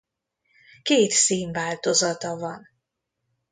Két színváltozata van.